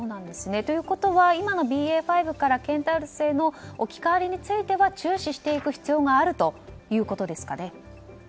ということは今のＢＡ．５からケンタウロスへの置き換わりについては注視していく必要があるということですかね。